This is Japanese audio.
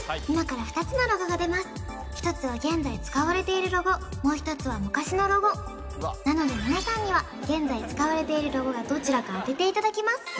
今から２つのロゴが出ます一つは現在使われているロゴもう一つは昔のロゴなので皆さんには現在使われているロゴがどちらか当てていただきます